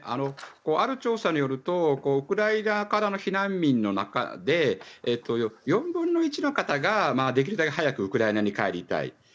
ある調査によるとウクライナからの避難民の中で４分の１の方ができるだけ早くウクライナに帰りたい。